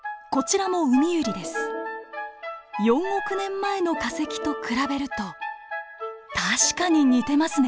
４億年前の化石と比べると確かに似てますね。